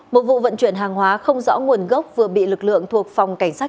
một vụ vận chuyển hàng hóa không rõ nguồn gốc vừa bị lực lượng thuộc phòng cảnh sát